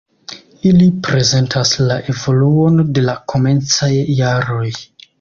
Ili prezentas la evoluon de la komencaj jaroj.